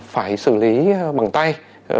phải xử lý bằng tay